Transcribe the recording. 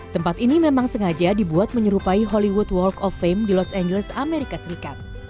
tempat ini memang sengaja dibuat menyerupai hollywood work of fame di los angeles amerika serikat